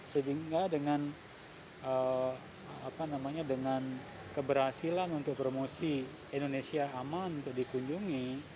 sehingga dengan keberhasilan untuk promosi indonesia aman untuk dikunjungi